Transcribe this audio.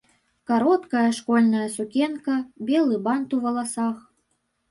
Кароткая школьная сукенка, белы бант ў валасах.